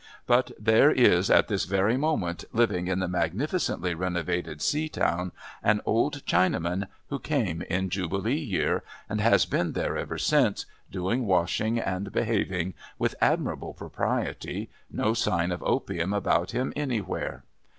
But there is at this very moment, living in the magnificently renovated Seatown, an old Chinaman, who came in Jubilee Year, and has been there ever since, doing washing and behaving with admirable propriety, no sign of opium about him anywhere.